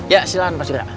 ya silahkan pak istirahat